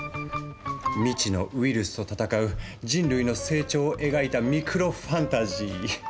未知のウイルスと戦う人類の成長を描いたミクロファンタジー。